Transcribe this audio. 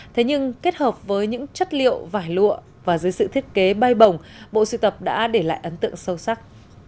thế nhưng kết hợp với những chất liệu vải lụa và dưới sự thiết kế bay bồng bộ sưu tập đã để lại ấn tượng sâu sắc